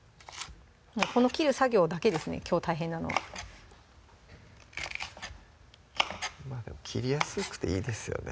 この切る作業だけですねきょう大変なのはまぁでも切りやすくていいですよね